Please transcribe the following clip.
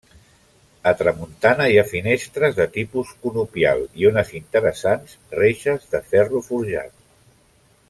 A tramuntana hi ha finestres de tipus conopial i unes interessants reixes de ferro forjat.